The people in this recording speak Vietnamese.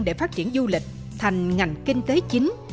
để phát triển du lịch thành ngành kinh tế chính